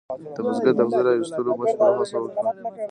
بزګر د اغزي را ویستلو بشپړه هڅه وکړه.